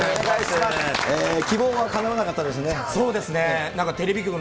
希望はかなわなかったですね。